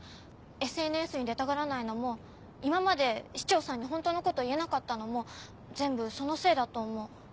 ＳＮＳに出たがらないのも今まで市長さんにホントのこと言えなかったのも全部そのせいだと思う。